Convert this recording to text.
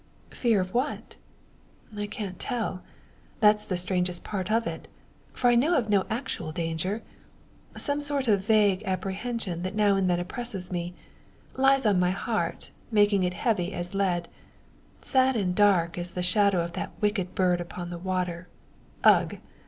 "Fear of what?" "I can't tell. That's the strangest part of it; for I know of no actual danger. Some sort of vague apprehension that now and then oppresses me lies on my heart, making it heavy as lead sad and dark as the shadow of that wicked bird upon the water. Ugh!"